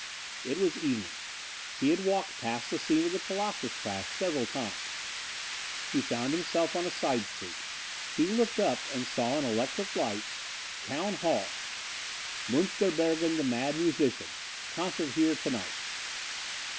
It was evening. He had walked past the scene of the Colossus crash several times. He found himself on a side street. He looked up and saw in electric lights: TOWN HALL Munsterbergen, the Mad Musician Concert Here To night.